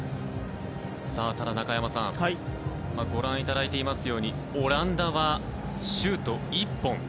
ただ、中山さんご覧いただいていますようにオランダは、シュート１本。